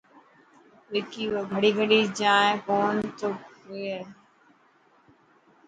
وڪي گڙي گڙي جائين ڪونه ٿو پئي.